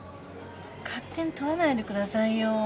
勝手に撮らないでくださいよ。